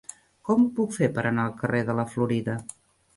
Com ho puc fer per anar al carrer de la Florida?